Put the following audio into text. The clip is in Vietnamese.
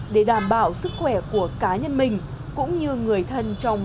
để đảm bảo sức khỏe